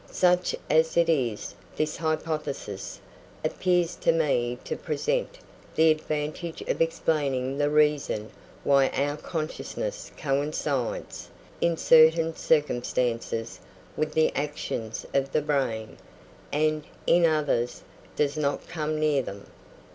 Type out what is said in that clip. Such as it is, this hypothesis appears to me to present the advantage of explaining the reason why our consciousness coincides, in certain circumstances, with the actions of the brain, and, in others, does not come near them.